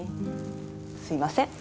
すみません。